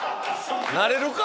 なれるか！